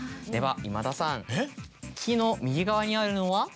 では今田さん「き」の右側にあるのは？